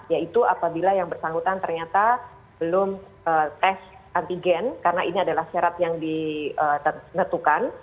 yaitu apabila yang bersangkutan ternyata belum tes antigen karena ini adalah syarat yang ditentukan